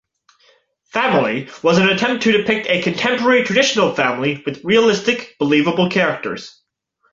"Family" was an attempt to depict a contemporary traditional family with realistic, believable characters.